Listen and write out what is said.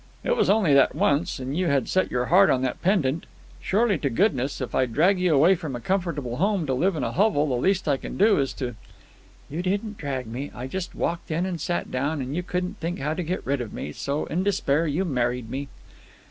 "It was only that once. And you had set your heart on that pendant. Surely to goodness, if I drag you away from a comfortable home to live in a hovel, the least I can do is to——" "You didn't drag me. I just walked in and sat down, and you couldn't think how to get rid of me, so in despair you married me."